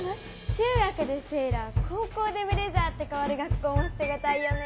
中学でセーラー高校でブレザーって変わる学校も捨て難いよね。